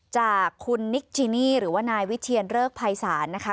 จากคุณนิกจินี่หรือว่านายวิเทียนเริกภัยศาลนะคะ